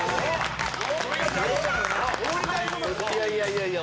いやいやいやいや。